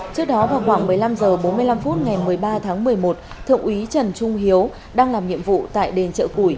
trước đó vào khoảng một mươi năm h bốn mươi năm phút ngày một mươi ba tháng một mươi một thượng úy trần trung hiếu đang làm nhiệm vụ tại đền chợ củi